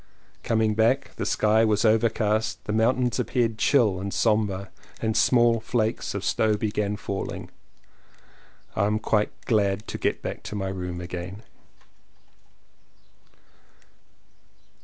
Coming back the sky was overcast — the mountains appeared chill and sombre and small flakes of snow began falling. I am quite glad to get back to my room again.